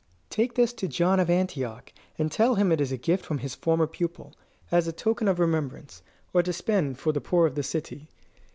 "Take this to John of Antioch, and tell him it is a gift from his former pupil as a token of remembrance, or to spend for the poor of the city.